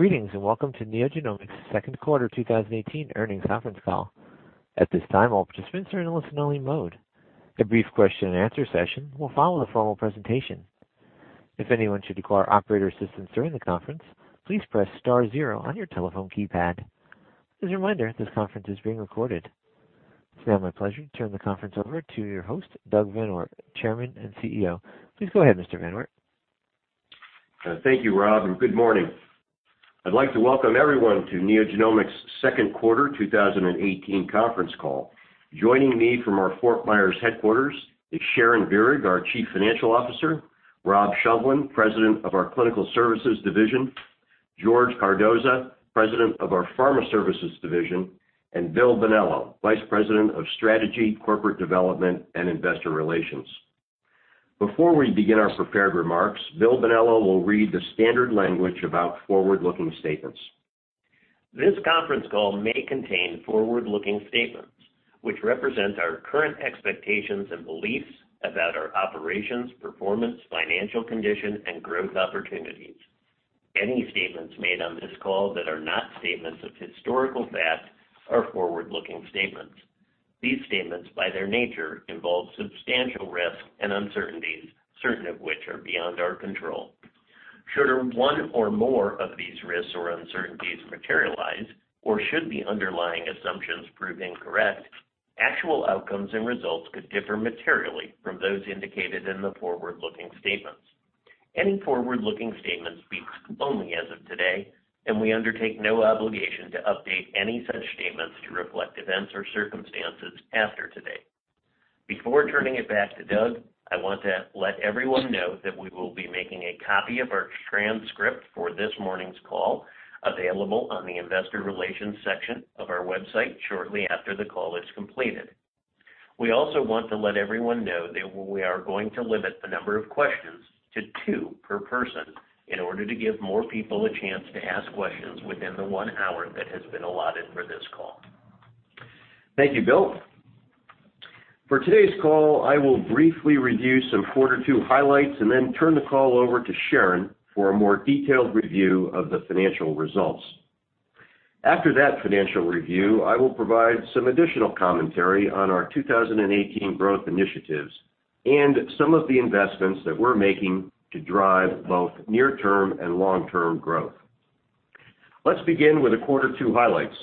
Greetings, welcome to NeoGenomics' Q2 2018 earnings conference call. At this time, all participants are in a listen-only mode. A brief question-and-answer session will follow the formal presentation. If anyone should require operator assistance during the conference, please press star 0 on your telephone keypad. As a reminder, this conference is being recorded. It is now my pleasure to turn the conference over to your host, Douglas M. VanOort, Chairman and CEO. Please go ahead, Mr. VanOort. Thank you, Rob. Good morning. I would like to welcome everyone to NeoGenomics' Q2 2018 conference call. Joining me from our Fort Myers headquarters is Sharon Virag, our Chief Financial Officer, Rob Shovlin, President of our Clinical Services division, George Cardoza, President of our Pharma Services division, and Bill Bonello, Vice President of Strategy, Corporate Development, and Investor Relations. Before we begin our prepared remarks, Bill Bonello will read the standard language about forward-looking statements. This conference call may contain forward-looking statements, which represent our current expectations and beliefs about our operations, performance, financial condition, and growth opportunities. Any statements made on this call that are not statements of historical fact are forward-looking statements. These statements, by their nature, involve substantial risks and uncertainties, certain of which are beyond our control. Should one or more of these risks or uncertainties materialize, or should the underlying assumptions prove incorrect, actual outcomes and results could differ materially from those indicated in the forward-looking statements. Any forward-looking statements speak only as of today, we undertake no obligation to update any such statements to reflect events or circumstances after today. Before turning it back to Doug, I want to let everyone know that we will be making a copy of our transcript for this morning's call available on the investor relations section of our website shortly after the call is completed. We also want to let everyone know that we are going to limit the number of questions to two per person in order to give more people a chance to ask questions within the one hour that has been allotted for this call. Thank you, Bill. For today's call, I will briefly review some quarter two highlights and then turn the call over to Sharon for a more detailed review of the financial results. After that financial review, I will provide some additional commentary on our 2018 growth initiatives and some of the investments that we're making to drive both near-term and long-term growth. Let's begin with the quarter two highlights.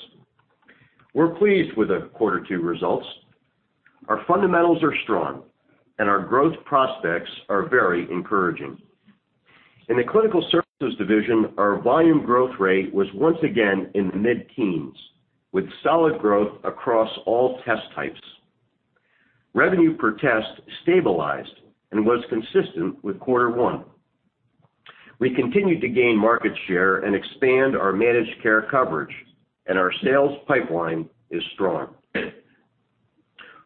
We're pleased with the quarter two results. Our fundamentals are strong, and our growth prospects are very encouraging. In the Clinical Services division, our volume growth rate was once again in the mid-teens, with solid growth across all test types. Revenue per test stabilized and was consistent with quarter one. We continued to gain market share and expand our managed care coverage, and our sales pipeline is strong.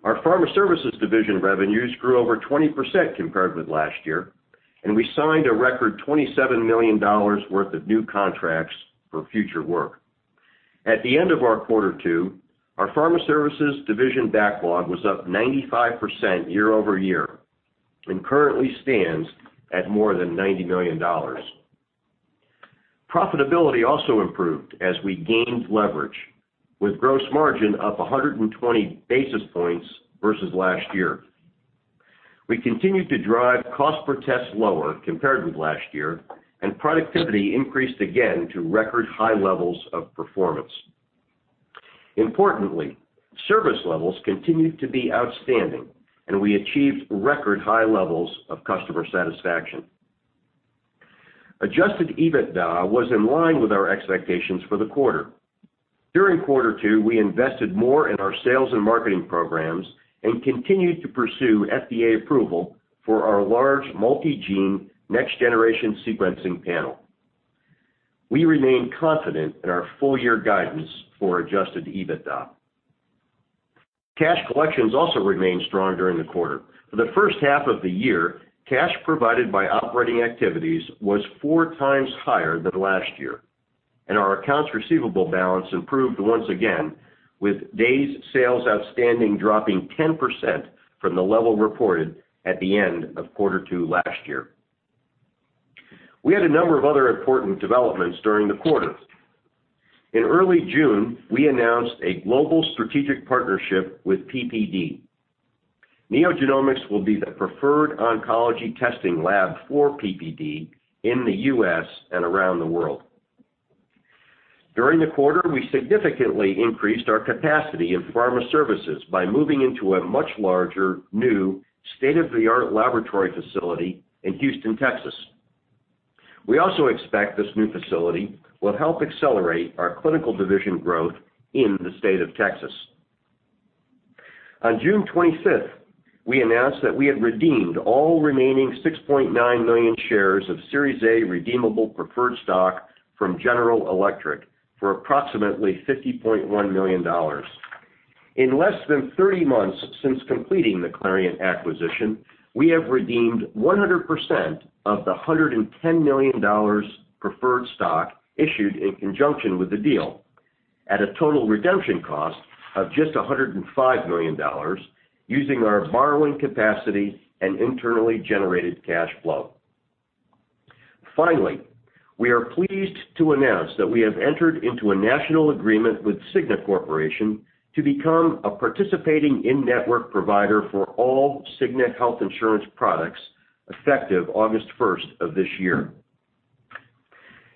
Our Pharma Services division revenues grew over 20% compared with last year. We signed a record $27 million worth of new contracts for future work. At the end of our quarter two, our Pharma Services division backlog was up 95% year-over-year and currently stands at more than $90 million. Profitability also improved as we gained leverage, with gross margin up 120 basis points versus last year. We continued to drive cost per test lower compared with last year. Productivity increased again to record high levels of performance. Importantly, service levels continued to be outstanding. We achieved record high levels of customer satisfaction. Adjusted EBITDA was in line with our expectations for the quarter. During quarter two, we invested more in our sales and marketing programs and continued to pursue FDA approval for our large multi-gene next generation sequencing panel. We remain confident in our full-year guidance for Adjusted EBITDA. Cash collections also remained strong during the quarter. For the first half of the year, cash provided by operating activities was four times higher than last year. Our accounts receivable balance improved once again, with days sales outstanding dropping 10% from the level reported at the end of quarter two last year. We had a number of other important developments during the quarter. In early June, we announced a global strategic partnership with PPD. NeoGenomics will be the preferred oncology testing lab for PPD in the U.S. and around the world. During the quarter, we significantly increased our capacity in Pharma Services by moving into a much larger, new state-of-the-art laboratory facility in Houston, Texas. We also expect this new facility will help accelerate our Clinical division growth in the state of Texas. On June 25th, we announced that we had redeemed all remaining 6.9 million shares of Series A redeemable preferred stock from General Electric for approximately $50.1 million. In less than 30 months since completing the Clarient acquisition, we have redeemed 100% of the $110 million preferred stock issued in conjunction with the deal. At a total redemption cost of just $105 million using our borrowing capacity and internally generated cash flow. We are pleased to announce that we have entered into a national agreement with Cigna Corporation to become a participating in-network provider for all Cigna health insurance products, effective August 1st of this year.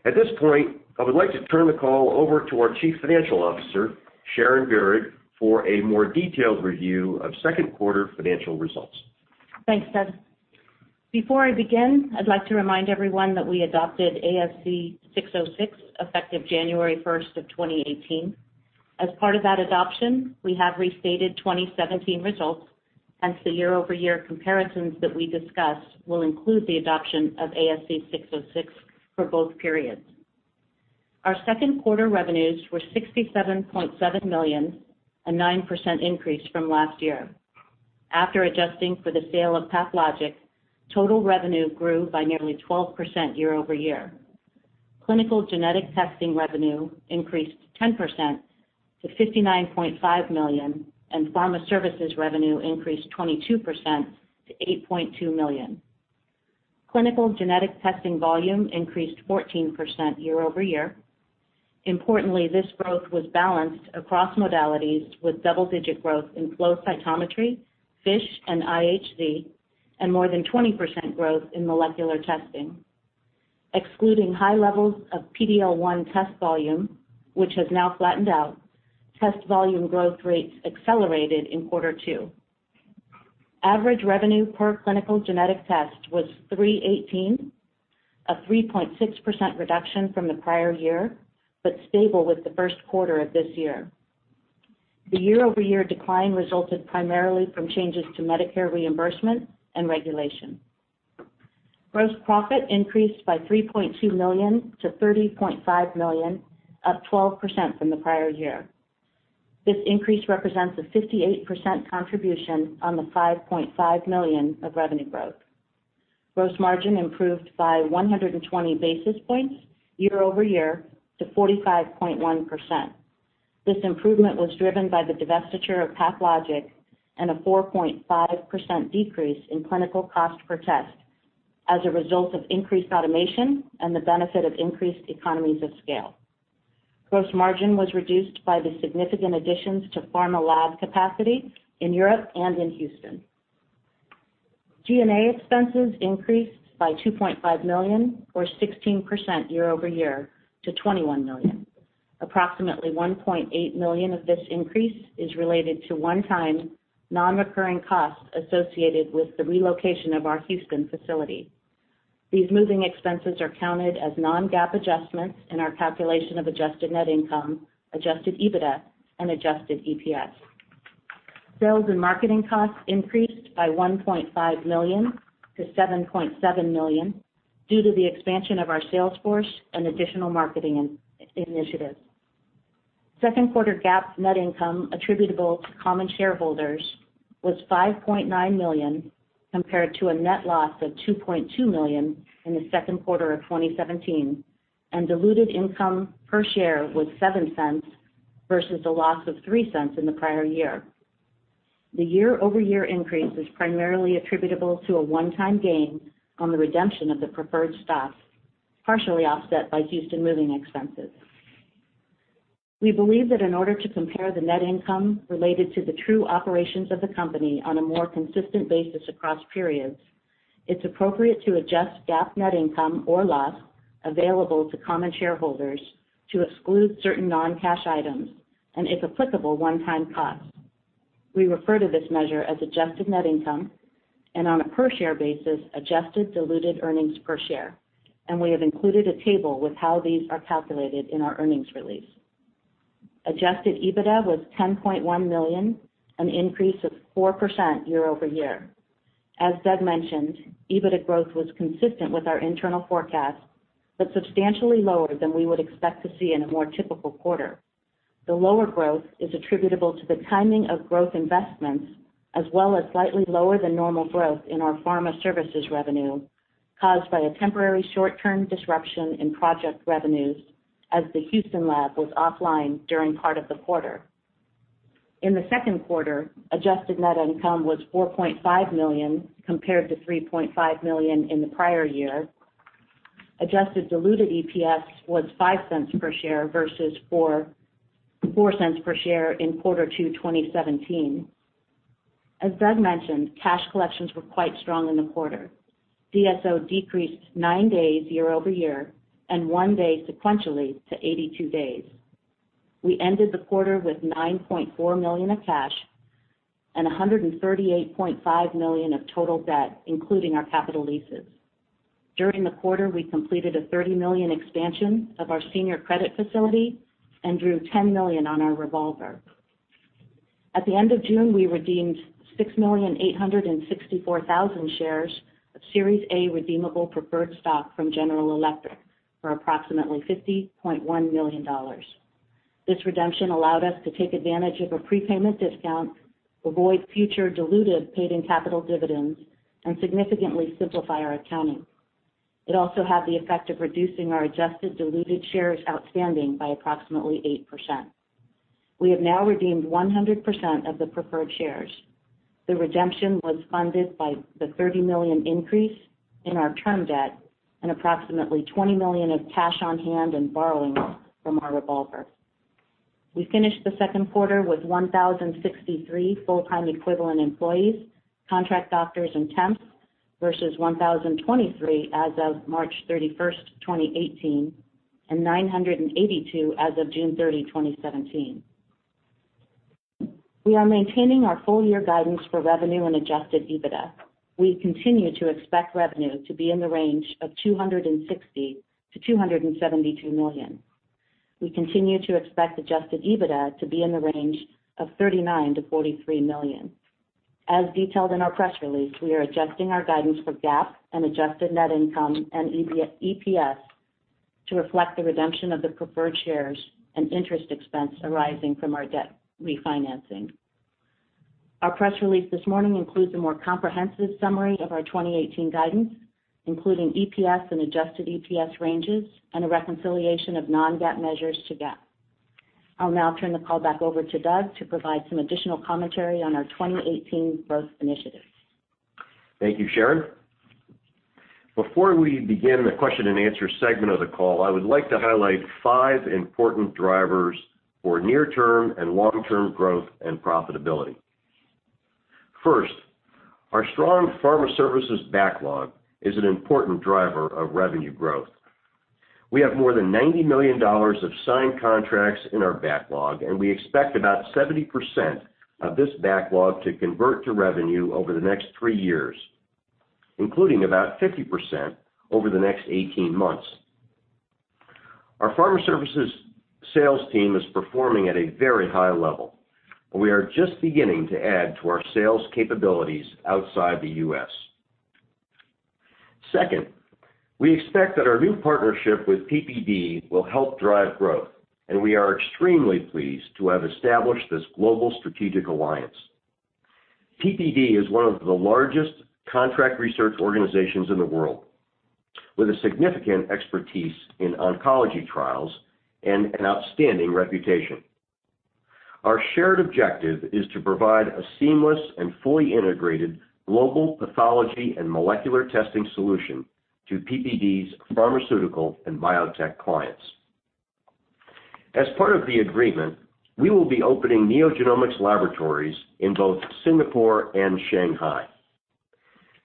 At this point, I would like to turn the call over to our Chief Financial Officer, Sharon Virag, for a more detailed review of second quarter financial results. Thanks, Doug. Before I begin, I'd like to remind everyone that we adopted ASC 606, effective January 1, 2018. As part of that adoption, we have restated 2017 results, hence the year-over-year comparisons that we discuss will include the adoption of ASC 606 for both periods. Our second quarter revenues were $67.7 million, a 9% increase from last year. After adjusting for the sale of Path Logic, total revenue grew by nearly 12% year-over-year. Clinical genetic testing revenue increased 10% to $59.5 million, and Pharma Services revenue increased 22% to $8.2 million. Clinical genetic testing volume increased 14% year-over-year. Importantly, this growth was balanced across modalities with double-digit growth in flow cytometry, FISH and IHC, and more than 20% growth in molecular testing. Excluding high levels of PD-L1 test volume, which has now flattened out, test volume growth rates accelerated in Q2. Average revenue per clinical genetic test was $318, a 3.6% reduction from the prior year, but stable with the first quarter of this year. The year-over-year decline resulted primarily from changes to Medicare reimbursement and regulation. Gross profit increased by $3.2 million to $30.5 million, up 12% from the prior year. This increase represents a 58% contribution on the $5.5 million of revenue growth. Gross margin improved by 120 basis points year-over-year to 45.1%. This improvement was driven by the divestiture of Path Logic and a 4.5% decrease in clinical cost per test as a result of increased automation and the benefit of increased economies of scale. Gross margin was reduced by the significant additions to pharma lab capacity in Europe and in Houston. G&A expenses increased by $2.5 million or 16% year-over-year to $21 million. Approximately $1.8 million of this increase is related to one-time, non-recurring costs associated with the relocation of our Houston facility. These moving expenses are counted as non-GAAP adjustments in our calculation of adjusted net income, adjusted EBITDA and adjusted EPS. Sales and marketing costs increased by $1.5 million to $7.7 million due to the expansion of our sales force and additional marketing initiatives. Second quarter GAAP net income attributable to common shareholders was $5.9 million, compared to a net loss of $2.2 million in Q2 2017, and diluted income per share was $0.07 versus a loss of $0.03 in the prior year. The year-over-year increase is primarily attributable to a one-time gain on the redemption of the preferred stock, partially offset by Houston moving expenses. We believe that in order to compare the net income related to the true operations of the company on a more consistent basis across periods, it is appropriate to adjust GAAP net income or loss available to common shareholders to exclude certain non-cash items and, if applicable, one-time costs. We refer to this measure as adjusted net income and on a per share basis, Adjusted diluted earnings per share, and we have included a table with how these are calculated in our earnings release. Adjusted EBITDA was $10.1 million, an increase of 4% year-over-year. As Doug mentioned, EBITDA growth was consistent with our internal forecasts, but substantially lower than we would expect to see in a more typical quarter. The lower growth is attributable to the timing of growth investments, as well as slightly lower than normal growth in our Pharma Services revenue caused by a temporary short-term disruption in project revenues as the Houston lab was offline during part of the quarter. In the second quarter, adjusted net income was $4.5 million, compared to $3.5 million in the prior year. Adjusted diluted EPS was $0.05 per share versus $0.04 per share in quarter two 2017. As Doug mentioned, cash collections were quite strong in the quarter. DSO decreased nine days year-over-year and one day sequentially to 82 days. We ended the quarter with $9.4 million of cash and $138.5 million of total debt, including our capital leases. During the quarter, we completed a $30 million expansion of our senior credit facility and drew $10 million on our revolver. At the end of June, we redeemed 6,864,000 shares of Series A redeemable preferred stock from General Electric for approximately $50.1 million. This redemption allowed us to take advantage of a prepayment discount, avoid future diluted paid-in capital dividends, and significantly simplify our accounting. It also had the effect of reducing our adjusted diluted shares outstanding by approximately 8%. We have now redeemed 100% of the preferred shares. The redemption was funded by the $30 million increase in our term debt and approximately $20 million of cash on hand and borrowing from our revolver. We finished the second quarter with 1,063 full-time equivalent employees, contract doctors, and temps versus 1,023 as of March 31, 2018, and 982 as of June 30, 2017. We are maintaining our full-year guidance for revenue and adjusted EBITDA. We continue to expect revenue to be in the range of $260 million-$272 million. We continue to expect adjusted EBITDA to be in the range of $39 million-$43 million. As detailed in our press release, we are adjusting our guidance for GAAP and adjusted net income and EPS to reflect the redemption of the preferred shares and interest expense arising from our debt refinancing. Our press release this morning includes a more comprehensive summary of our 2018 guidance, including EPS and adjusted EPS ranges, and a reconciliation of non-GAAP measures to GAAP. I'll now turn the call back over to Doug to provide some additional commentary on our 2018 growth initiatives. Thank you, Sharon. Before we begin the question and answer segment of the call, I would like to highlight five important drivers for near-term and long-term growth and profitability. First, our strong Pharma Services backlog is an important driver of revenue growth. We have more than $90 million of signed contracts in our backlog, and we expect about 70% of this backlog to convert to revenue over the next three years, including about 50% over the next 18 months. Our Pharma Services sales team is performing at a very high level, and we are just beginning to add to our sales capabilities outside the U.S. Second, we expect that our new partnership with PPD will help drive growth, and we are extremely pleased to have established this global strategic alliance. PPD is one of the largest contract research organizations in the world, with a significant expertise in oncology trials and an outstanding reputation. Our shared objective is to provide a seamless and fully integrated global pathology and molecular testing solution to PPD's pharmaceutical and biotech clients. As part of the agreement, we will be opening NeoGenomics laboratories in both Singapore and Shanghai.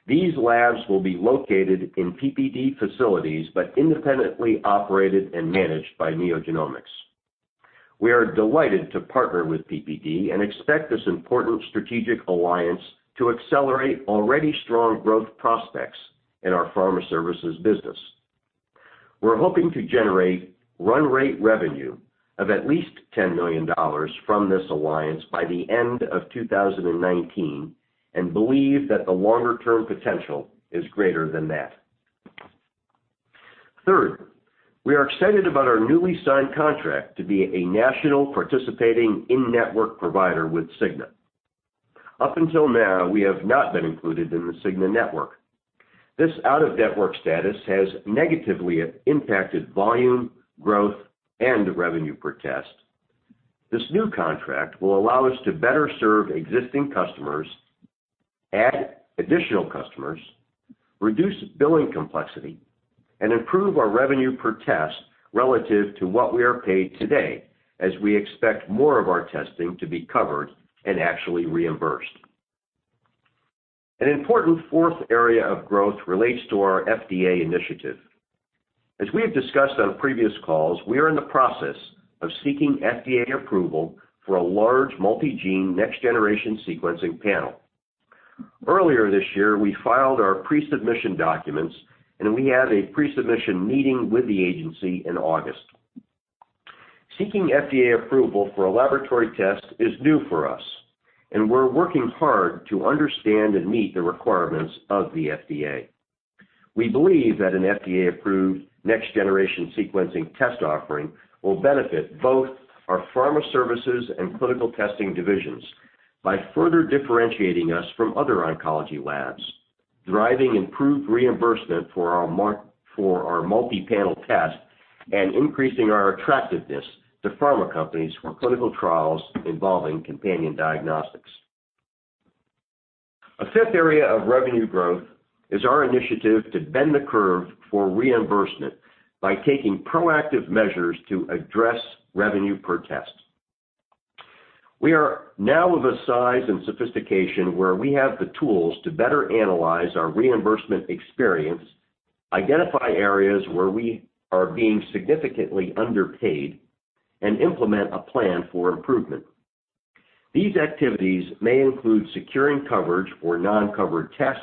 These labs will be located in PPD facilities, but independently operated and managed by NeoGenomics. We are delighted to partner with PPD and expect this important strategic alliance to accelerate already strong growth prospects in our Pharma Services business. We're hoping to generate run-rate revenue of at least $10 million from this alliance by the end of 2019 and believe that the longer-term potential is greater than that. Third, we are excited about our newly signed contract to be a national participating in-network provider with Cigna. Up until now, we have not been included in the Cigna network. This out-of-network status has negatively impacted volume, growth, and revenue per test. This new contract will allow us to better serve existing customers, add additional customers, reduce billing complexity, and improve our revenue per test relative to what we are paid today, as we expect more of our testing to be covered and actually reimbursed. An important fourth area of growth relates to our FDA initiative. As we have discussed on previous calls, we are in the process of seeking FDA approval for a large multi-gene next-generation sequencing panel. Earlier this year, we filed our pre-submission documents, and we had a pre-submission meeting with the agency in August. Seeking FDA approval for a laboratory test is new for us, and we're working hard to understand and meet the requirements of the FDA. We believe that an FDA-approved next-generation sequencing test offering will benefit both our Pharma Services and clinical testing divisions by further differentiating us from other oncology labs, driving improved reimbursement for our multi-panel test, and increasing our attractiveness to pharma companies for clinical trials involving companion diagnostics. A fifth area of revenue growth is our initiative to bend the curve for reimbursement by taking proactive measures to address revenue per test. We are now of a size and sophistication where we have the tools to better analyze our reimbursement experience, identify areas where we are being significantly underpaid, and implement a plan for improvement. These activities may include securing coverage for non-covered tests,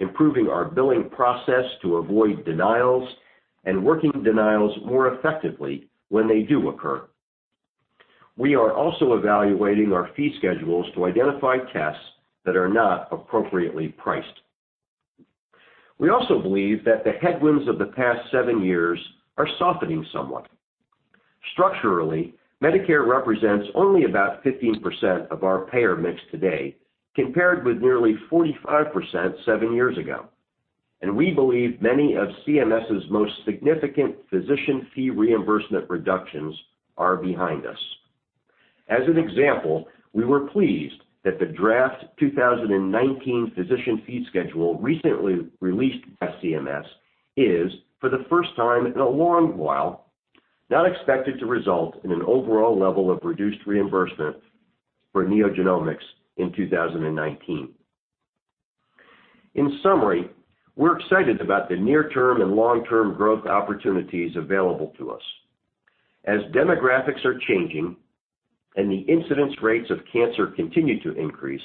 improving our billing process to avoid denials, and working denials more effectively when they do occur. We are also evaluating our fee schedules to identify tests that are not appropriately priced. We also believe that the headwinds of the past seven years are softening somewhat. Structurally, Medicare represents only about 15% of our payer mix today, compared with nearly 45% seven years ago. We believe many of CMS's most significant physician fee reimbursement reductions are behind us. As an example, we were pleased that the draft 2019 Physician Fee Schedule recently released by CMS is, for the first time in a long while, not expected to result in an overall level of reduced reimbursement for NeoGenomics in 2019. In summary, we're excited about the near-term and long-term growth opportunities available to us. As demographics are changing and the incidence rates of cancer continue to increase,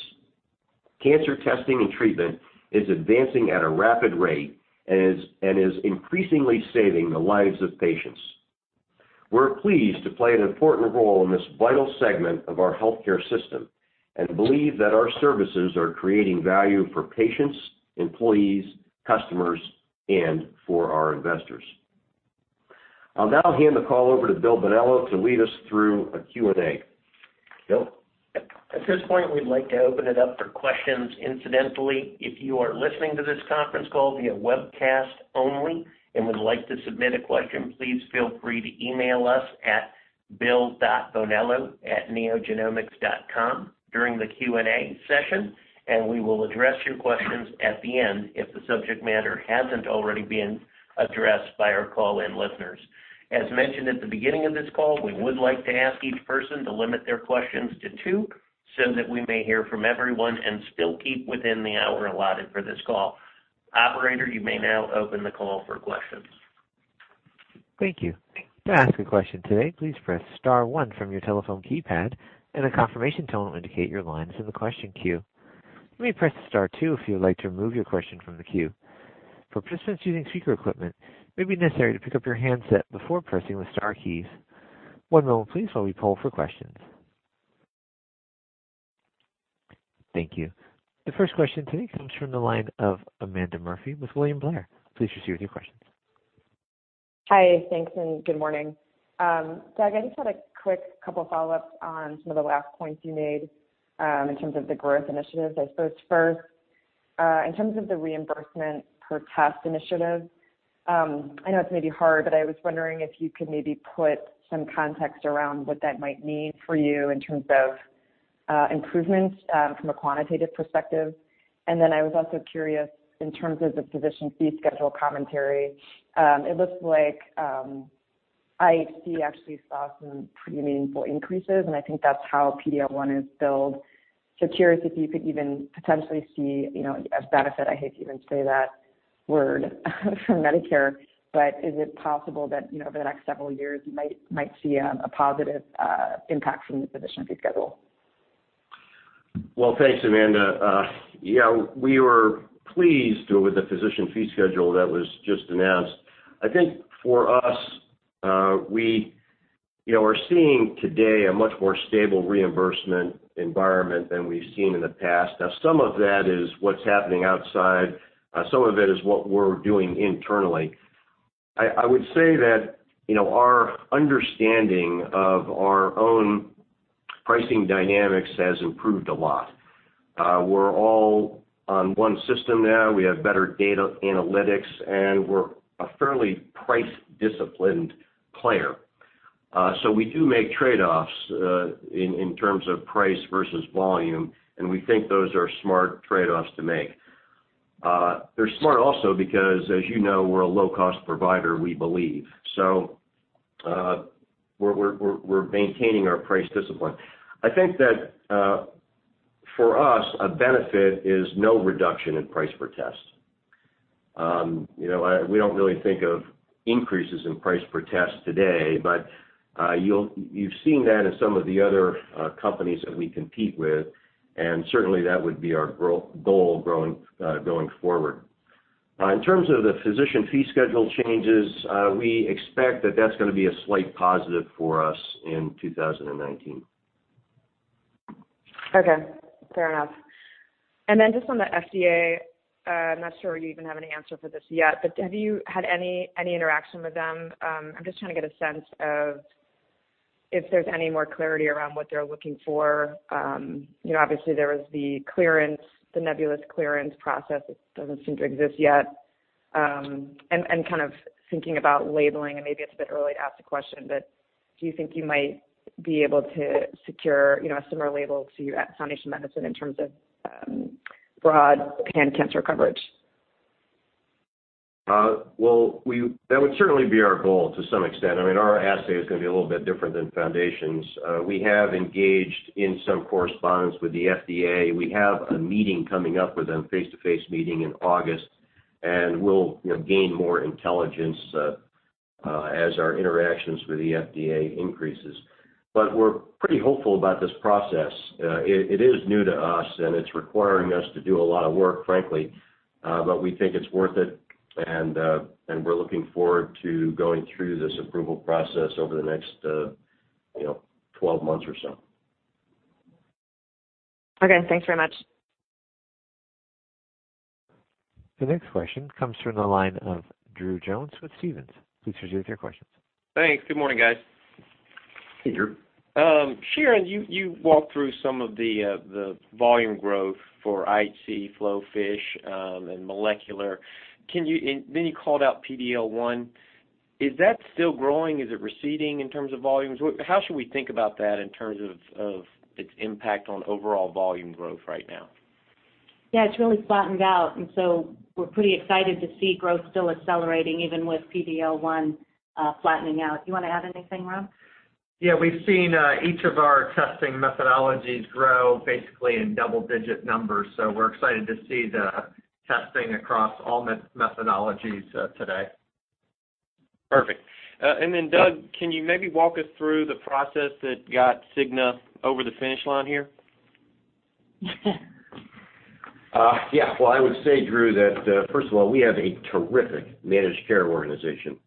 cancer testing and treatment is advancing at a rapid rate and is increasingly saving the lives of patients. We're pleased to play an important role in this vital segment of our healthcare system and believe that our services are creating value for patients, employees, customers, and for our investors. I'll now hand the call over to Bill Bonello to lead us through a Q&A. Bill? At this point, we'd like to open it up for questions. Incidentally, if you are listening to this conference call via webcast only and would like to submit a question, please feel free to email us at bill.bonello@neogenomics.com during the Q&A session, and we will address your questions at the end if the subject matter hasn't already been addressed by our call-in listeners. As mentioned at the beginning of this call, we would like to ask each person to limit their questions to two, so that we may hear from everyone and still keep within the hour allotted for this call. Operator, you may now open the call for questions. Thank you. To ask a question today, please press *1 from your telephone keypad, and a confirmation tone will indicate your line is in the question queue. You may press *2 if you would like to remove your question from the queue. For participants using speaker equipment, it may be necessary to pick up your handset before pressing the star keys. One moment please while we poll for questions. Thank you. The first question today comes from the line of Amanda Murphy with William Blair. Please proceed with your question. Hi. Thanks, and good morning. Doug, I just had a quick couple follow-ups on some of the last points you made in terms of the growth initiatives. I suppose first, in terms of the reimbursement per test initiative, I know it's maybe hard, but I was wondering if you could maybe put some context around what that might mean for you in terms of improvements from a quantitative perspective. Then I was also curious in terms of the Physician Fee Schedule commentary. It looks like IHC actually saw some pretty meaningful increases, and I think that's how PD-L1 is billed. Curious if you could even potentially see a benefit, I hate to even say that word, from Medicare, but is it possible that over the next several years you might see a positive impact from the Physician Fee Schedule? Well, thanks, Amanda. Yeah, we were pleased with the Physician Fee Schedule that was just announced. I think for us, we're seeing today a much more stable reimbursement environment than we've seen in the past. Some of that is what's happening outside. Some of it is what we're doing internally. I would say that our understanding of our own pricing dynamics has improved a lot. We're all on one system now. We have better data analytics, and we're a fairly price-disciplined player. We do make trade-offs in terms of price versus volume, and we think those are smart trade-offs to make. They're smart also because, as you know, we're a low-cost provider, we believe. We're maintaining our price discipline. I think that for us, a benefit is no reduction in price per test. We don't really think of increases in price per test today, but you've seen that in some of the other companies that we compete with, and certainly that would be our goal going forward. In terms of the Physician Fee Schedule changes, we expect that that's going to be a slight positive for us in 2019. Okay. Fair enough. Just on the FDA, I'm not sure you even have an answer for this yet, but have you had any interaction with them? I'm just trying to get a sense of if there's any more clarity around what they're looking for. Obviously, there was the nebulous clearance process that doesn't seem to exist yet. Kind of thinking about labeling, and maybe it's a bit early to ask the question, but do you think you might be able to secure a similar label to Foundation Medicine in terms of broad pan-cancer coverage? Well, that would certainly be our goal to some extent. Our assay is going to be a little bit different than Foundation's. We have engaged in some correspondence with the FDA. We have a meeting coming up with them, face-to-face meeting in August, and we'll gain more intelligence as our interactions with the FDA increases. We're pretty hopeful about this process. It is new to us and it's requiring us to do a lot of work, frankly, but we think it's worth it, and we're looking forward to going through this approval process over the next 12 months or so. Okay, thanks very much. The next question comes from the line of Drew Jones with Stephens. Please proceed with your questions. Thanks. Good morning, guys. Hey, Drew. Sharon, you walked through some of the volume growth for IHC, Flow, FISH, and molecular. You called out PD-L1. Is that still growing? Is it receding in terms of volumes? How should we think about that in terms of its impact on overall volume growth right now? Yeah, it's really flattened out, so we're pretty excited to see growth still accelerating even with PD-L1 flattening out. You want to add anything, Rob? Yeah. We've seen each of our testing methodologies grow basically in double-digit numbers, we're excited to see the testing across all methodologies today. Perfect. Doug, can you maybe walk us through the process that got Cigna over the finish line here? Well, I would say, Drew, that, first of all, we have a terrific managed care organization.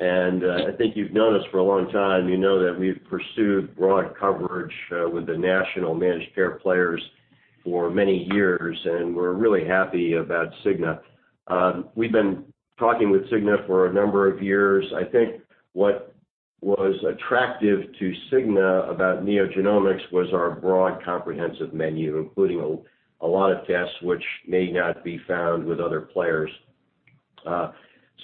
I think you've known us for a long time. You know that we've pursued broad coverage with the national managed care players for many years, and we're really happy about Cigna. We've been talking with Cigna for a number of years. I think what was attractive to Cigna about NeoGenomics was our broad, comprehensive menu, including a lot of tests which may not be found with other players. What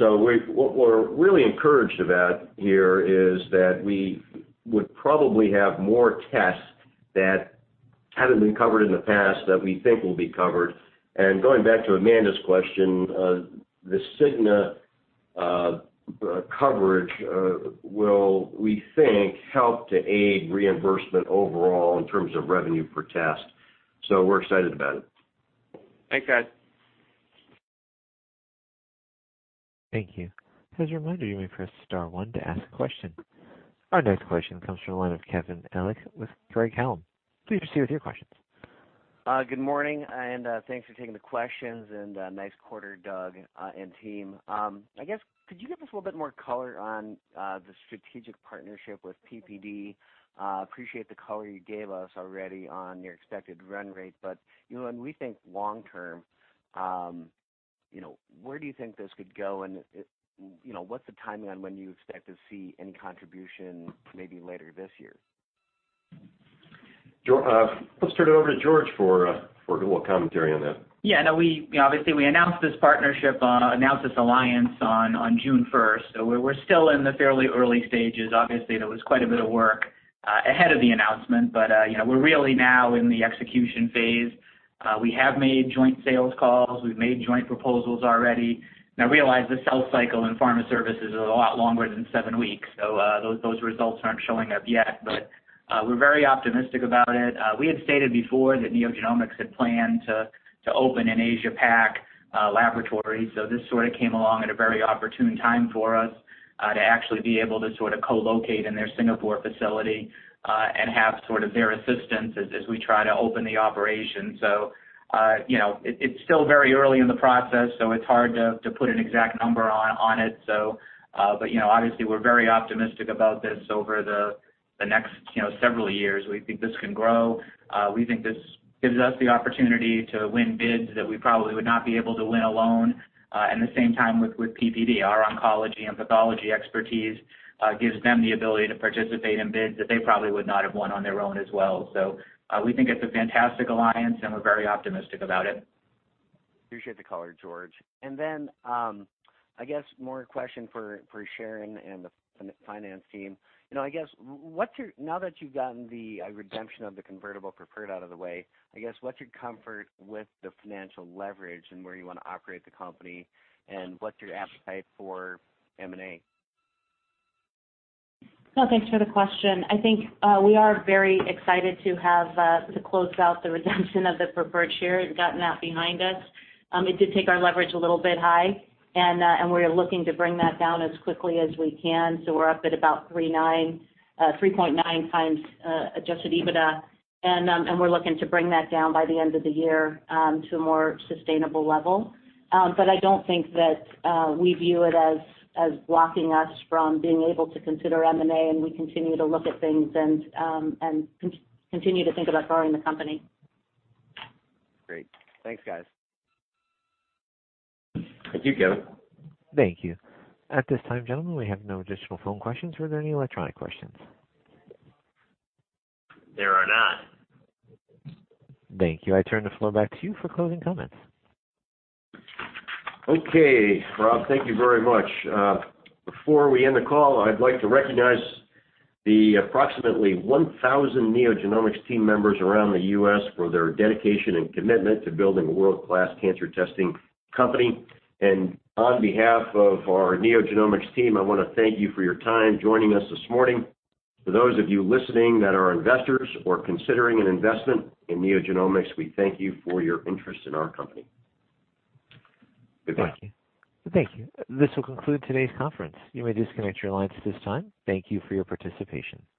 we're really encouraged about here is that we would probably have more tests that haven't been covered in the past that we think will be covered. Going back to Amanda's question, the Cigna coverage will, we think, help to aid reimbursement overall in terms of revenue per test. We're excited about it. Thanks, guys. Thank you. As a reminder, you may press star one to ask a question. Our next question comes from the line of Kevin Ellich with Craig-Hallum. Please proceed with your questions. Good morning, thanks for taking the questions, nice quarter, Doug and team. I guess, could you give us a little bit more color on the strategic partnership with PPD? Appreciate the color you gave us already on your expected run rate. When we think long term, where do you think this could go and what's the timeline when you expect to see any contribution maybe later this year? Let's turn it over to George for a little commentary on that. Obviously, we announced this alliance on June 1st. We're still in the fairly early stages. Obviously, there was quite a bit of work ahead of the announcement, but we're really now in the execution phase. We have made joint sales calls. We've made joint proposals already. Now realize the sales cycle in Pharma Services is a lot longer than seven weeks, those results aren't showing up yet. We're very optimistic about it. We had stated before that NeoGenomics had planned to open an Asia-Pac laboratory, this sort of came along at a very opportune time for us to actually be able to co-locate in their Singapore facility and have their assistance as we try to open the operation. It's still very early in the process, it's hard to put an exact number on it. Obviously, we're very optimistic about this over the next several years. We think this can grow. We think this gives us the opportunity to win bids that we probably would not be able to win alone. At the same time, with PPD, our oncology and pathology expertise gives them the ability to participate in bids that they probably would not have won on their own as well. We think it's a fantastic alliance, and we're very optimistic about it. Appreciate the color, George. I guess more question for Sharon and the finance team. Now that you've gotten the redemption of the convertible preferred out of the way, I guess, what's your comfort with the financial leverage and where you want to operate the company, and what's your appetite for M&A? Thanks for the question. I think we are very excited to close out the redemption of the preferred share and gotten that behind us. It did take our leverage a little bit high, and we're looking to bring that down as quickly as we can. We're up at about 3.9 times adjusted EBITDA, and we're looking to bring that down by the end of the year to a more sustainable level. I don't think that we view it as blocking us from being able to consider M&A, and we continue to look at things and continue to think about growing the company. Great. Thanks, guys. Thank you, Kevin. Thank you. At this time, gentlemen, we have no additional phone questions. Were there any electronic questions? There are not. Thank you. I turn the floor back to you for closing comments. Okay, Rob, thank you very much. Before we end the call, I'd like to recognize the approximately 1,000 NeoGenomics team members around the U.S. for their dedication and commitment to building a world-class cancer testing company. On behalf of our NeoGenomics team, I want to thank you for your time joining us this morning. For those of you listening that are investors or considering an investment in NeoGenomics, we thank you for your interest in our company. Goodbye. Thank you. This will conclude today's conference. You may disconnect your lines at this time. Thank you for your participation.